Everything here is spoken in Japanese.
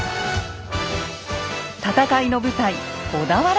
戦いの舞台小田原城。